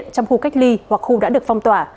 trong khu cách ly hoặc khu đã được phong tỏa